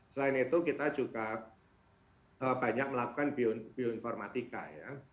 selain itu kita juga banyak melakukan bioinformatika ya